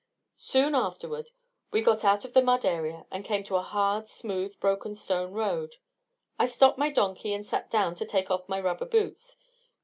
Soon afterward we got out of the mud area and came to a hard, smooth, broken stone road. I stopped my donkey and sat down to take off my rubber boots.